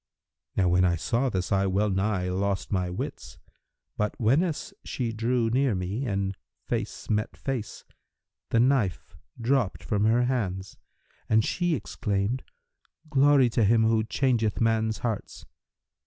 Now when I saw this, I well nigh lost my wits; but, whenas she drew near me and face met face, the knife dropped from her hand, and she exclaimed, 'Glory to Him who changeth men's hearts!'